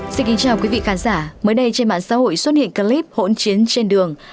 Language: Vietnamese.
xin kính chào quý vị khán giả mới đây trên mạng xã hội xuất hiện clip hỗn chiến trên đường